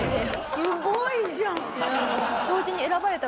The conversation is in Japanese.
すごいじゃん！